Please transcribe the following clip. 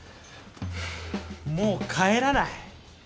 もう帰らない。